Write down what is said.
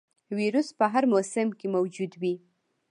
ویروس په هر موسم کې موجود وي.